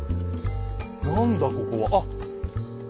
何だここはあっ。